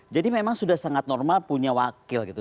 jadi memang sudah sangat normal punya wakil gitu